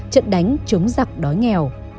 trận đánh chống giặc đói nghèo